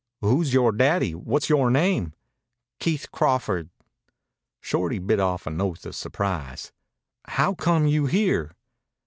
"Who is yore daddy? What's yore name?" "Keith Crawford." Shorty bit off an oath of surprise. "Howcome you here?"